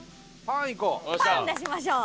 パン出しましょう。